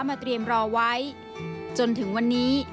มาเตรียมรอไว้จนถึงวันนี้